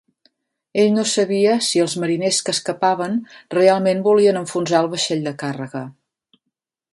Ell no sabia si els mariners que escapaven realment volien enfonsar el vaixell de càrrega.